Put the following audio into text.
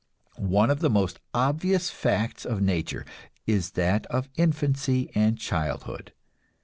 One of the most obvious facts of nature is that of infancy and childhood.